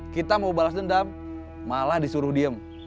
kita mau balas dendam malah disuruh diem